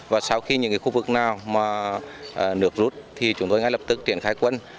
và sau khi những khu vực nào mà nước rút thì chúng tôi ngay lập tức triển khai quân